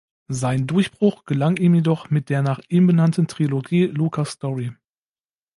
Sein Durchbruch gelang ihm jedoch mit der nach ihm benannten Trilogie "Lukas Story".